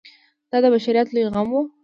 دا د بشریت لوی غم و.